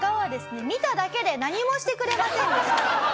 見ただけで何もしてくれませんでした。